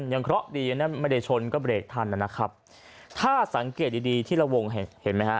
เคราะห์ดีนะไม่ได้ชนก็เบรกทันนะครับถ้าสังเกตดีดีที่ละวงเห็นเห็นไหมฮะ